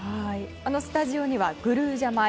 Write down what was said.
スタジオにはグルージャ米。